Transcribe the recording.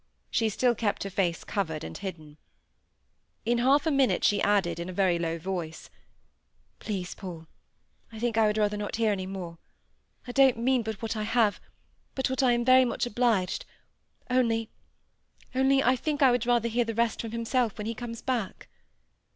She still kept her face covered and hidden. In half a minute she added, in a very low voice, "Please, Paul, I think I would rather not hear any more I don't mean but what I have—but what I am very much obliged—Only—only, I think I would rather hear the rest from himself when he comes back."